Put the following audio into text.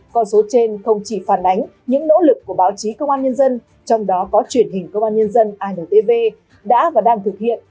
con số trên không chỉ phản ánh những nỗ lực của báo chí công an nhân dân trong đó có truyền hình công an nhân dân intv đã và đang thực hiện